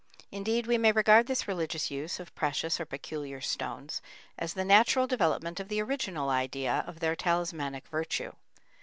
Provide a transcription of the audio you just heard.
Indeed, we may regard this religious use of precious or peculiar stones as the natural development of the original idea of their talismanic virtue.